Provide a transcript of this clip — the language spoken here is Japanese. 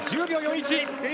１０秒４１！